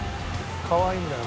かわいいんだよ